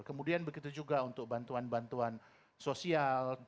kemudian begitu juga untuk bantuan bantuan sosial